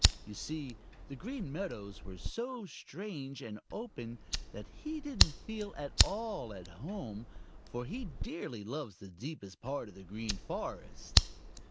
You see, the Green Meadows were so strange and open that he didn't feel at all at home, for he dearly loves the deepest part of the Green Forest.